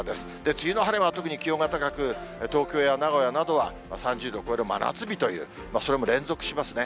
梅雨の晴れ間は特に気温が高く、東京や名古屋などは、３０度を超える真夏日という、それも連続しますね。